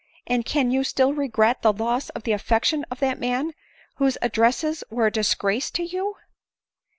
and can you still regret the loss of the affection of that man,' whose addresses were a disgrace to you